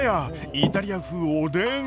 イタリア風おでん。